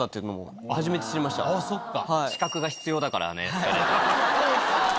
あそっか。